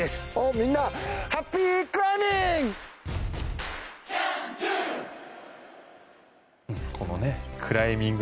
みんなハッピークライミング！